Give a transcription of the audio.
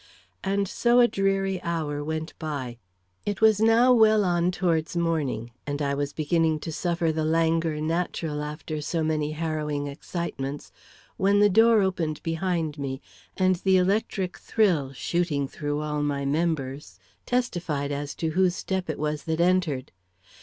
And so a dreary hour went by. It was now well on towards morning, and I was beginning to suffer from the languor natural after so many harrowing excitements, when the door opened behind me, and the electric thrill shooting through all my members, testified as to whose step it was that entered.